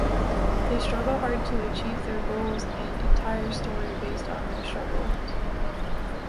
They struggle hard to achieve their goals and entire story based on their struggle.